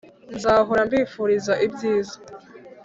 nzahora mbifuriza ibyiza